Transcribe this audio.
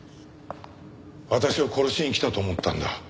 私を殺しに来たと思ったんだ。